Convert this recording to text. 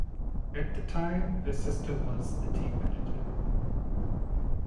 At the time her sister was the team manager.